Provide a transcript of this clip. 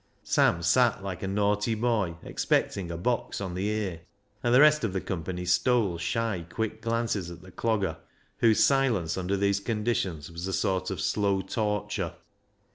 Sam sat like a naughty boy expecting a box on the ear. And the rest of the company stole shy, quick glances at the Clogger, whose silence under these conditions was a sort of slow torture.